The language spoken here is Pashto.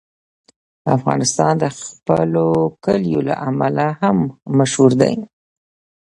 افغانستان د خپلو کلیو له امله هم مشهور دی.